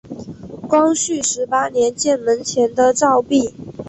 光绪十八年建门前的照壁。